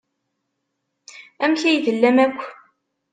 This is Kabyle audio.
Amek ay tellam akk?